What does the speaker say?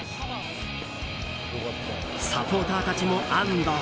サポーターたちも安堵。